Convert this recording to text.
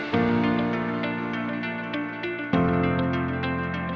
cegah stunting sebelum kenting